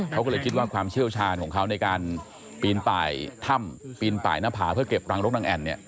เขาก็เลยคิดว่าความเชี่ยวชาญของเขาในการปีนป่ายถ้ำปีนป่ายหน้าผาเพื่อเก็บรังรกนางแอ่นเนี่ย